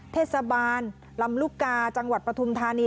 เทศบาลลำลูกกาจังหวัดปฐุมธานี